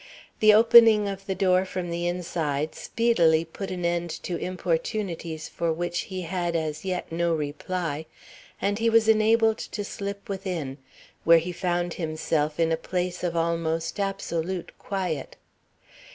The opening of the door from the inside speedily put an end to importunities for which he had as yet no reply, and he was enabled to slip within, where he found himself in a place of almost absolute quiet.